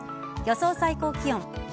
予想最高気温。